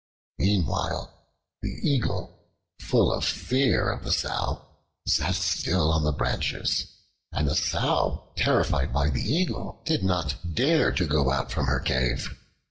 Meanwhile, the Eagle, full of fear of the Sow, sat still on the branches, and the Sow, terrified by the Eagle, did not dare to go out from her cave.